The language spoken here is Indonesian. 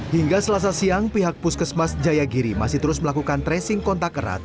hingga selasa siang pihak puskesmas jayagiri masih terus melakukan tracing kontak erat